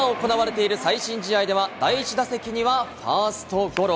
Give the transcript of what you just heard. そして今、行われている最新試合では第１打席にはファーストゴロ。